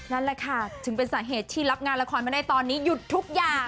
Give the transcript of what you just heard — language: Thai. นั่นแหละค่ะถึงเป็นสาเหตุที่รับงานละครไม่ได้ตอนนี้หยุดทุกอย่าง